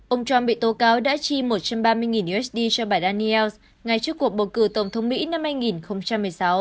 ông trump bị tố cáo đã chi một trăm ba mươi usd cho bài daniels ngay trước cuộc bầu cử tổng thống mỹ năm hai nghìn một mươi sáu